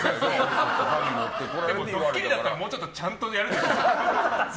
ドッキリだったらもうちょっとちゃんとやるでしょ。